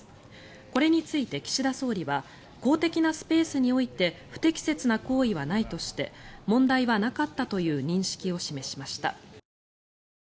これについて岸田総理は公的なスペースにおいて不適切な行為はないとして問題はなかったという認識を示しました。